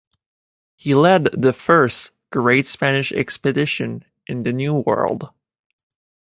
He led the first great Spanish expedition in the New World.